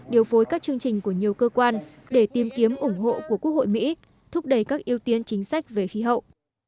điều phối các chương trình của nhiều cơ quan để tìm kiếm ủng hộ của quốc hội mỹ thúc đẩy các ưu tiên chính sách về khí hậu